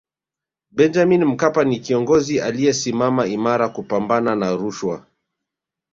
benjamin mkapa ni kiongozi aliyesimama imara kupambana na rushwa